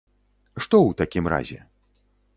Што ў такім разе?